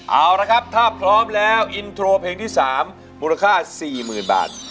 เอาละครับถ้าพร้อมแล้วอินโทรเพลงที่๓มูลค่า๔๐๐๐บาท